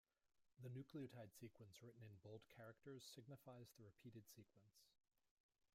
The nucleotide sequence written in bold characters signifies the repeated sequence.